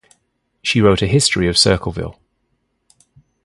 She wrote a history of Circleville.